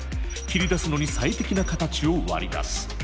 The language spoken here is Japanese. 切り出すのに最適な形を割り出す。